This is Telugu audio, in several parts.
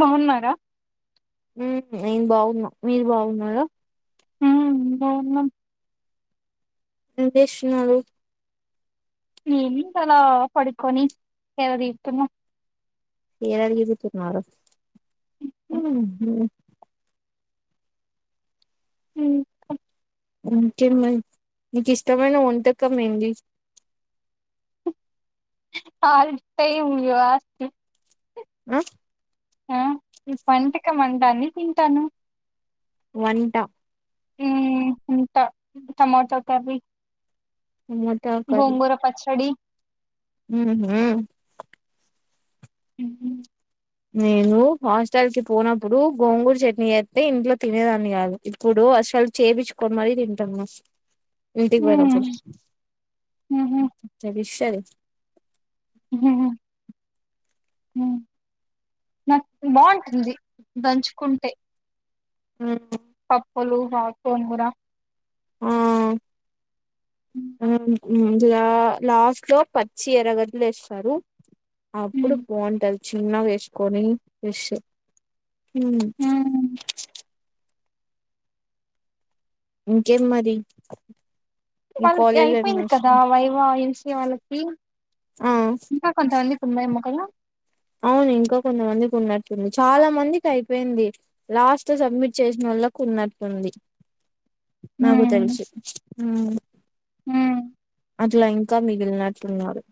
బావున్నారా మ్ నేను బాగున్నా మీరు బాగున్నార అ బాగున్నాం ఏం జేషున్నారు ఈవెనింగ్ అలా పడుకొని ఎలాదితున్నా సేదదీరుతున్నారు ఇంకే మరి నీకు ఇష్టమైన వంటకం ఏంది [unintelligible] ఆ ఆ న వంటక మంటన్ని తింటాను వంట ట టమాటో కఫీ టమోటా గొంగూర పచ్చడి ఊహు ఉమ్ నేను హాస్టల్ కి పోనప్పుడు గోంగూరు చట్నీ వస్తతే ఇంట్లో తినేదాన్ని గాదు ఇప్పుడు అసలు చేపచ్చుకొని మరీ తింటనా ఇంటికి బోయినప్పుడు ఉహు సరే మ్మ్ నాకు బావుంటుంది దంచుకుంటే [inaudible] పప్పలు వాడ్చ్కోన్ కూడా ఆ హ్మ్ హ్మ్ జరా లాస్ట్ లో పచ్చి ఎరగడ్లు వేస్తారు అప్పుడు ఉమ్ బావుంటది చిన్నగా వేస్కోని బ్రేషు మ్మ్ ఉమ్ ఇంకేం మరి మీ వాళ్ళకి కాలేజీలో ఏం అయిపోయింది కదా నడుస్తుంది వైవో ఏం సి వాళ్ళకి ఆ ఇంకా కొంతమందికి ఉన్నాయోమో కాద అవును ఇంకా కొంతమందికి ఉన్నట్టుంది చాలా మందికి అయ్ పోయింది లాస్ట్ సబ్మిట్ చేసినోళ్లకు ఉన్నటుంది నాకు తెలుసు అ మ్మ్ అట్లా ఇంకా మిగిలినట్టున్నారు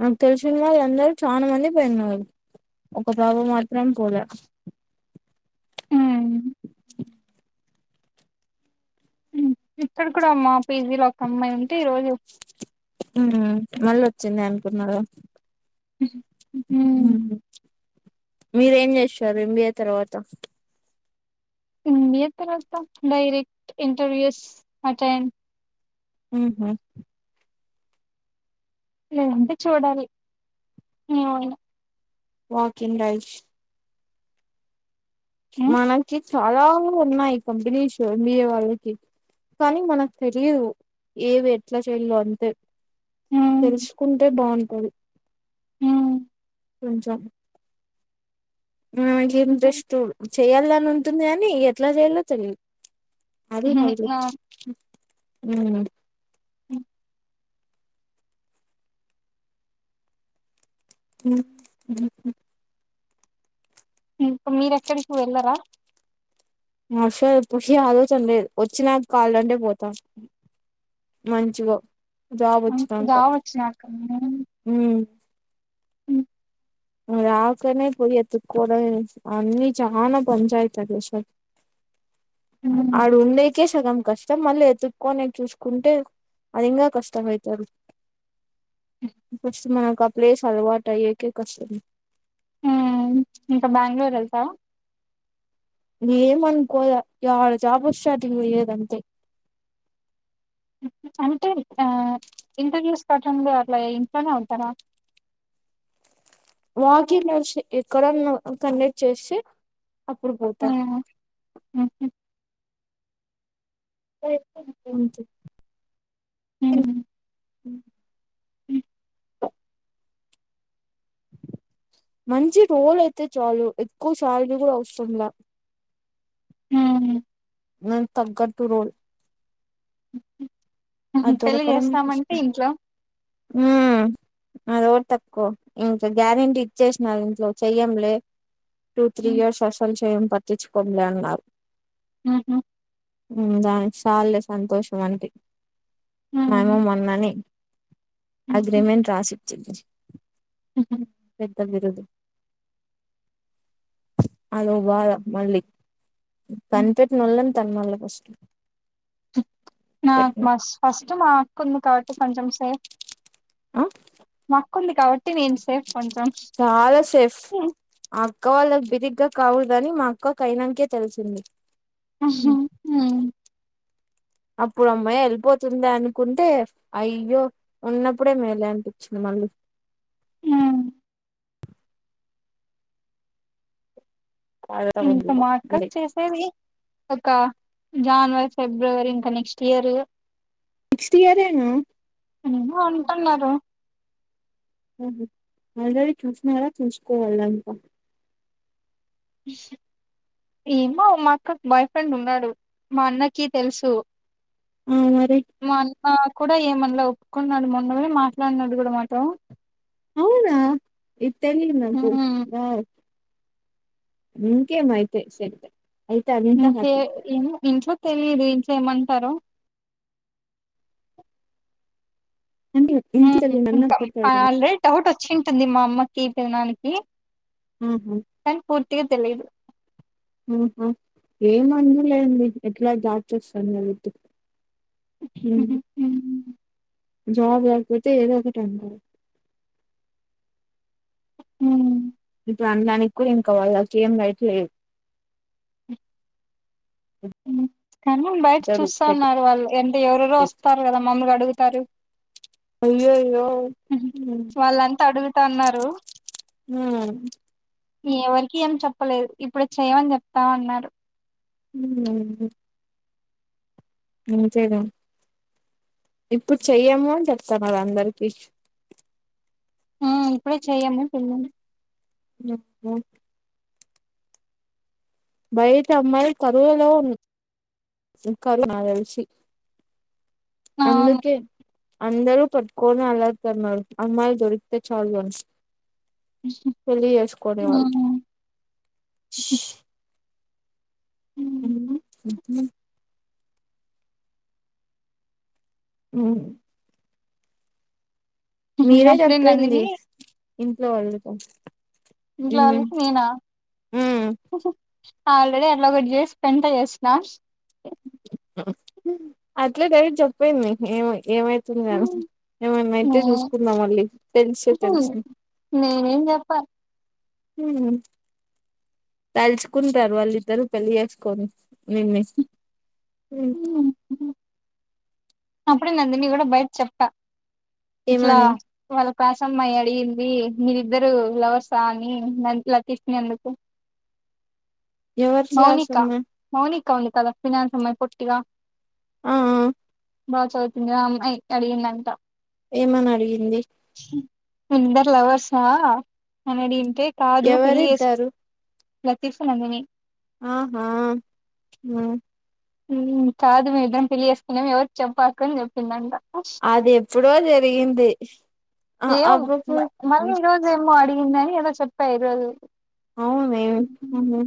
నాక్ తెల్స్విన్ వాళ్ళందరూ చానా మంది పోయిన్నారు ఒక పాప మాత్రం పోలే హ్మ్ హ్మ్. ఇక్కడ కూడా అమ్మా పీజీ లో ఒక్కమ్మాయి ఉంటే ఈరోజు మల్ వచ్చింది అనుకున్నారా హ్మ్ మీరేం చేస్తారు ఎంబిఎ తర్వాత ఏంబిఎ తర్వాత డైరెక్ట్ ఇంటర్వ్యూస్ అటెండ్ హ్మ్ హు లేదంటే చూడాలి ఏవైనా వాక్ ఇన్ డైల్స్ హ్మ్ మనకి చాలా ఉన్నాయి. కంపెనీషు మీ వాళ్లకి పని మనక్ పెట్ లీవు ఏవి ఎట్లా చేయలో అంతే హ్మ్ తెలుస్కుంటే బాగున్ [unintelligible] హ్మ్ కొంచెం మ్మ్ గింతే స్టూల్ చెయ్యాల్గాని ఉంటుంది గానీ ఎట్లా చేయాలో తెలిదు అది హ్మ్ ఆ హైలెట్ మ్మ్ అ మ్మ్ మీరెక్కడికి వెళ్ళరా ఖుషీ ఆలోచన లేదు వచ్చినా కాాలంటే పోతాం మంచిగా జాబ్ హ్మ్. వచ్చిదాకా జాబ్ వచ్చినాక హ్మ్ హ్మ్. అ రాకనే పోయి ఎతుకోవడం అన్నిీ చాలా పంచాయత అ దేశ హ్మ్. ఆడు ఉండేకే సగం కష్టం మళ్ళీ ఎతుక్కక్కొని చూసుకుంటే అది ఇంంగా కష్టం అయితది ఫస్ట్ మనకు ఆ ప్లేస్ అలవాటు అయ్యేకే కష్ట ఇంకా బ్యాంగళూరు వెళ్తావా న ఏమనుకోదడ జాబ స్టార్టింగ్ వ్యదంటే అంటే ఆ ఇంటర్వ్యూస్ కట్టంలో అట్లా ఇంట్లోనే ఉంటారా వాక్ ఇన్ డ్రైవ్స్ ఎక్కడ అన్న కండెక్ట్ చేస్తే అప్పుడు పోతా అ అ చె ఇం అ అ మంచి రోల్ అయితే చాలు ఎక్కువ సాలరీ కూడా అవసరంలా ఉమ్ నాక్ తగ్గట్టు రోల్ ఉహు పెళ్లి దొరకడం చేస్తామంటే కోసం ఇంట్లో మ్మ్ అదోటి తక్కువ ఇంకా గ్యారెంటీ ఇచ్చేసినారు ఇంట్లో చెయ్యంలే టటుూ త్రీ ఇయర్స్ అసల్ మేమ్ పట్టించుకోములేన్నారు ఉహు దానికి సాల్లే సంతోషం అంటి ము మొన్నని అగ్రిమెంట్ రాసించించి పగిరదు అధో బాధ మళ్ళీ కనిపెట్నోలని తన్నళ్ల ఫస్ట్ నాక్ పెట్టిన మాస్ ఫస్ట్ మా అక్క ఉంది కాబట్టి కొంచెం సేఫ్ ఆ అక్కుంది కాబట్టి నేను సేప్ చాలా సేఫ్ ఆ అక్క వాళ్ళకి బిరిగ్గా కాగూడదని మా అక్క కైనన్కె తెలిసింది హ్మ అప్పుడు అమ్మాయి ఎల్లిపోతుంది అనుకుంటే అయ్యో ఉన్నప్పుడే మేలే అనిపించింది మళ్ళీ హ్మ్. ఇంకా మా అక్క బాధ. చేసేది ఒక జనవరి ఫిబ్రవరి ఇంకా నెక్స్ట్ ఇయర్ నెక్స్ట్ ఇయరేనా ఏమో అంటున్నారు ఆహ ఆల్రెడీ చూసినారా చూసుకోవల్ల ఇంకా ఏమో మా అక్కకి బాయ్ ఫ్రెండ్ ఉన్నాడు మా అన్నకి తెలుసు ఆ మరి మాఅన్న కూడా ఏమన్నా ఇలా ఒప్పుకున్నాడు మొన్ననే మాట్లాడ్నాడు కూడా మాతో అవునా ఇతెలిదు నాకు హ్మ్ వావ్ ఇంకేమయితే సెట్ అయితే అంతా ఇంతే హ్యాపీ నేను ఇంట్లో అే మీరు ఇంట్ ఏమంటారు అంటే మ్మ్ ఇంట్లో హ్మ్ తెలియనన్న ఇంకా ఒకటి ఆల్రెడీ డౌట్ వాస్ వచ్చింటుంది మా అమ్మకి తినాదనికి ఆహా తన్ పూర్తిగా తెలియదు ఏమ అందలేడి ఎట్లా దాచొస్తాంది వెలుదు మ్మ్ హ్మ్ హ్మ్ జాబ్ పోతే ఏద ఒకటి అంటారు హ్మ దాని దానికి కూడా ఇంకా వాళ్ళకి ఏం రైట్ లేదు మ్మ్ కానీ బయట ఇద్దరు చూస్తా సెట్ ఉన్నారు వాళ్ళు అంటే ఎవరెరు చేసి వస్తారు కదా మమ్మల్ని అడుగుతారు అయ్యయ్యో హుహు. వాళ్ళంతా అడుగుతా ఉన్నారు ఎవరికి ఏం చెప్పలేదు ఇప్పుడు చేయమని చెప్తామ అన్నారు మ్మ్ అంతేగా ఇప్పుడు చెయ్యము అని చెప్తాం అది అందరికి ఆ ఇప్పుడే చెయము పిల్లకి మ్మ్ బయట అమ్మాయి కరువలో కరు నక్ తెల్సి అవును అందుకే అందరూ పట్టుకొని అలాగతున్నారు అమ్మాయి దొరికితే చాలు అని పెళ్లి చేసుకునే వాళ్ళు హ్మ్ హ్మ్ మ్మ్ ఉహు మీరే అప్పుడే నందిని చెప్పింది ఇంట్లో వాళ్ళకా ఇంట్లోవాళ్ళకి మేమ ఆల్రెడీ అట్ల ఒకటి చేసి పెంట చేసిన అట్లే డైరెక్ట్ చెప్పేయంది ఏమై ఏమైతుంది గాని ఏమన్న అయితే చూసుకుందాం మళ్ళీ తెలిస్తే తెల్సని నేనేం చెప్పా హ్మ్ తలుచుకుంటారు వాళ్ళు ద్దరు పెళ్ళి చేసుకోని [unintelligible] హ్మ్ అప్పుడే నందిని కూడా బయట చెప్ప ఇట్లా ఏమని వాళ్ళ క్లాస్ అమ్మాయి అడిగింది ది మీరిద్దరు లవర్స్ ఆ అని మంత లేక్ ఇచ్చినందుకు ఎవరిసలా ఆస ఉన్నా కౌం కాల ఫినాన్స్మ్యి పొట్టిగా ఆ బా చదువుతుంది అమ్మాయి అడిగిందంట ఏమని అడిగింది ఫ్లవర్సా అని అడిగింటే కాదు పెళ్లి చేేసు ఎవరిద్దరు లతీస్ నందిని ఆహా హ్మ్ హ్మ్ కాదు మేమిద్దరం పెళ్లి చేసుకున్నాం ఎవరు చెప్పకు అని చెప్పిందంట అది ఎప్పుడో జరిగింది అ అబ్బప్పు నిన్ననే ఏదో చెప్పే ఈరోజు అవును ఏమి ఊహు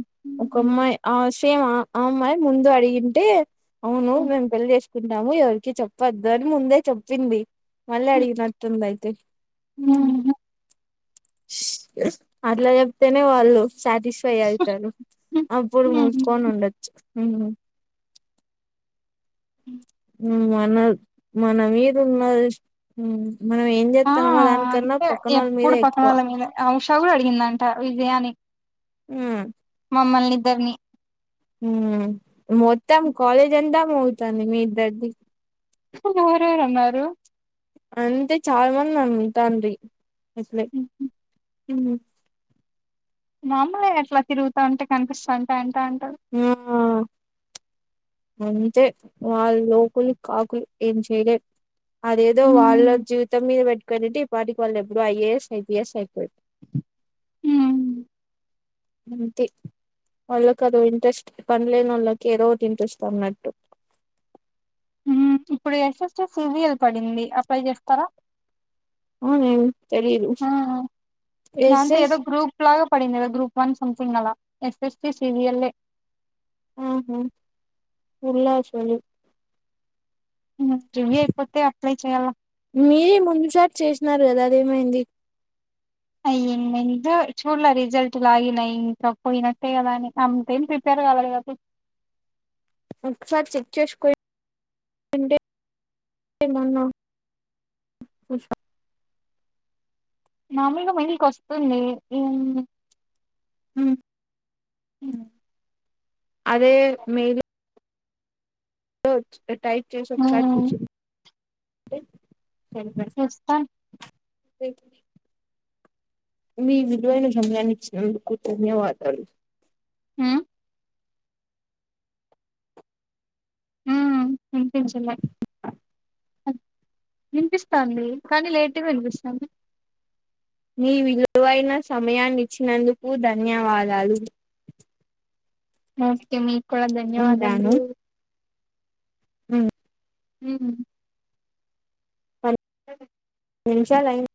ఒకమ్మాయి ఆష్ తేమ్ అ ఆ అమ్మాయే ముందు అడిగంటె అవును మేం పెళ్లి చెస్ ఇదినము ఎవరికి చెప్పద్దు అని ముందే చెప్పింది మళ్ళీ అడిగినట్టుంది తడి మ్మ్ అట్లా చెప్తేనే వాళ్ళు సాటిస్ఫై అవుతారు అప్పుడు మూసుకొని ఉండొచ్చు మ్మ్ మ్మ్ మనద్ మన మీదున్న డ్రెస్ట్ మనం ఏం ఆ చేస్తానమో దానికన్నా పక్కనొల్ల మీదే మీద ఎక్కువ తవుడు అడిగిందంట విజయానికి హ్మ్. మమ్మల్నిద్దర్ని ఉమ్ మొత్తం కాలేజ్ అందాం అవుతుంది మీ ఇద్దరిది ఎవరెవరు అన్నారు అంతే చాలా మంది అంటాండ్రి వసల ఉ మామూలుగా అట్లా తిరుగుతా ఉంటే కనిపిస్తాంటే అంట అంటే ఆ అంతే వాళ్లు లోకులు కాకులు ఏం చేయలేం అదేదో వాళ్ల జీవితం మీద పెట్టు కమిటీ ఈ పాటికి వాళ్ళు ఎప్పుడూ ఐఏఎస్ ఐపీఎస్ అయిపోయింది ఉమ్ అంతే వాళ్ళకి అదో ఇంట్రెస్ట్ పనిలేనోళ్ళకి ఏదో ఒకటి ఇంట్రెస్ట్ అన్నట్టు హ్మ్ ఇప్పుడు S S T C G L పడింది అప్లై చేస్తారా అవునేం తెలీదు ఆ, ఎస్ దాంతో ఎస్ ఏదో గ్రూప్ లాగా పడింది గదా గ్రూప్ వన్ సమ్తింగ్ అలా S S C C G L ఏ ఆహా విన్లా యాక్చువల్లీ ఉమ్ జల్దీ అయిపోతే అప్లై చెయ్యళ్ల మీరే ముందుసారి చేసినారు గదా అదేమైంది అయ్యఏమైందో చూళ్ళే రిజల్ట్ లాగిన్ అయ్ ఇంకా పోయినట్టే గదా అని అంతేం ప్రిపేర్ కాలే కాబ్బటి ఒకసారి చెక్ చేసుకో ఉంటే ఏమన్నా [unintelligible] మామూల్గా మెయిల్ కి వస్తుంది ఏం ఊ ఉ అదే మేబీ ఓచ్ ఏ టై చేసొచ్చా ఇప్పుడు ఉమ్, వచ్చింది ఏ వస్తా వెయిట్ మీ విలువైన సమయాన్ని ఇచ్చినందుకు ధన్యవాదాలు ఉమ్ ఉమ్, వినిపించలే వినిపిస్తాంది కానీ లేట్ గా వినిపిస్తాంది నీ విలువైన సమయాన్ని ఇచ్చినందుకు ధన్యవాదాలు ఓకే మీ కూడా ధన్యవాదములు ఊ హ్మ్ నింషాలు అయ్యింద్